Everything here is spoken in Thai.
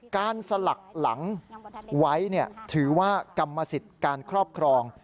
สลักหลังไว้ถือว่ากรรมสิทธิ์การครอบครอง